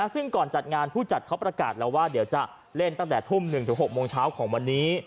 ซึ่งก่อนจัดงานผู้จัดเขาประกาศแล้วว่าเดี๋ยวจะเล่นตั้งแต่ทุ่ม๑๖โมงเช้าของวันนี้